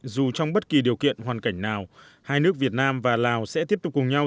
dù trong bất kỳ điều kiện hoàn cảnh nào hai nước việt nam và lào sẽ tiếp tục cùng nhau